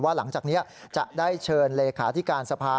หลังจากนี้จะได้เชิญเลขาธิการสภา